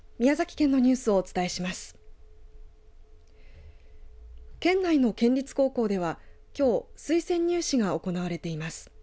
県内の県立高校ではきょう、推薦入試が行われています。